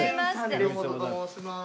榎本と申します。